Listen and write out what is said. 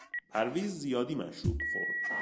پرویز زیادی مشروب خورد.